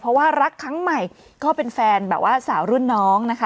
เพราะว่ารักครั้งใหม่ก็เป็นแฟนแบบว่าสาวรุ่นน้องนะคะ